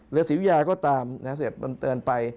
เรือสิวยาก็ตามเศรษฐ์บำเนินไป